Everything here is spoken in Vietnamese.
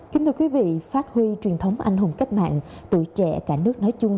kính thưa quý vị phát huy truyền thống anh hùng cách mạng tuổi trẻ cả nước nói chung